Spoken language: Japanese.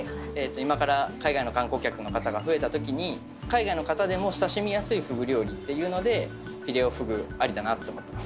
今から海外の観光客の方が増えたときに海外の方でも親しみやすいフグ料理というのでフィレ・オ・フグアリだなと思ってます。